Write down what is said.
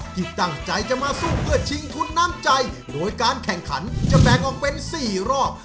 ที่ตั้งใจจะมาสู้เพื่อชิงทุนน้ำใจโดยการแข่งขันจะแบ่งออกเป็น๔รอบ